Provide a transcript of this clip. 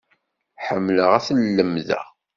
Ḥemmleɣ ad lemdeɣ.